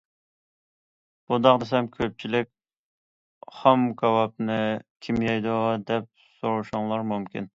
بۇنداق دېسەم كۆپچىلىك‹‹ خام كاۋاپنى كىم يەيدۇ؟›› دەپ سورىشىڭلار مۇمكىن.